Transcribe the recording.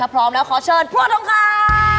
ถ้าพร้อมแล้วขอเชิญพรั่งขำ